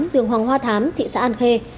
đường hoàng hoa thám thị xã an khê